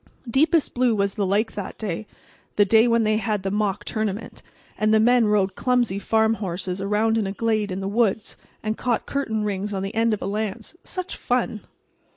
Deepest blue was the lake that day—the day when they had the mock tournament, and the men rode clumsy farm horses around in a glade in the woods and caught curtain rings on the end of a lance. Such fun!